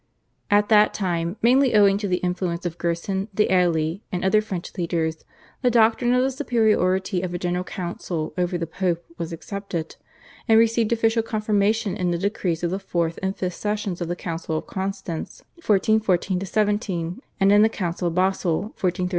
At that time, mainly owing to the influence of Gerson, D'Ailly, and other French leaders, the doctrine of the superiority of a General Council over the Pope was accepted, and received official confirmation in the decrees of the fourth and fifth sessions of the Council of Constance (1414 17), and in the Council of Basle (1431 6).